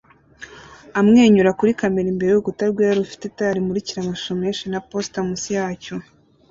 amwenyura kuri kamera imbere yurukuta rwera rufite itara rimurikira amashusho menshi na posita munsi yacyo